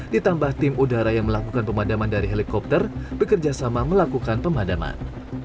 ditambah tim udara yang melakukan pemadaman dari helikopter bekerjasama melakukan pemadaman